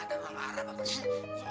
ada orang arab apa kaya